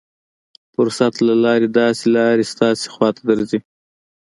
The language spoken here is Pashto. فرصت له يوې داسې لارې ستاسې خوا ته درځي.